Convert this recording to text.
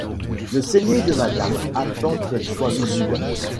Le sellier de madame attend qu’elle soit visible.